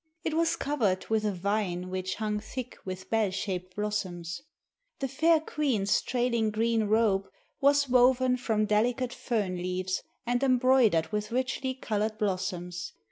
It was covered with a vine which hung thick with bell shaped blossoms. The fair queen's trailing green robe was woven from delicate fern leaves and embroidered with richly coloured blossoms.